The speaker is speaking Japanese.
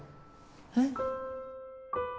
えっ？